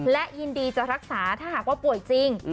และยินดีจะรักษาถ้าหากว่าป่วยจริง